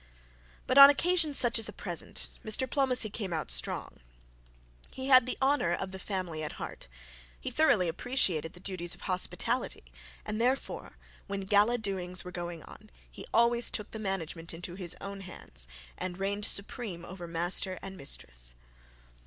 But on occasions such as the present, Mr Pomney came out strong. He had the honour of the family at heart; he thoroughly appreciated the duties of hospitality; and therefore, when gala doings were going on, always took the management into his own hands and reigned supreme over master and mistress.